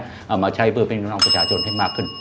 เอามาใช้เพื่อพี่น้องประชาชนให้มากขึ้น